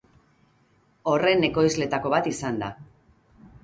Horren ekoizleetako bat izan da.